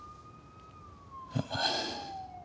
ああ。